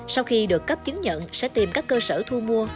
sau khi được cấp chứng nhận sẽ tìm các cơ sở thu mua